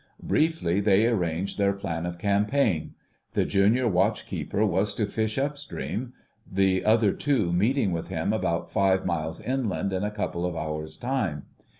Briefly they arranged their plan of campaign: the Junior Watch keeper was to fish up stream, the other two meeting him about five miles inland in a couple of hours' time.